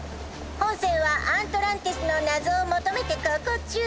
ほんせんはアントランティスのなぞをもとめてこうこうちゅう。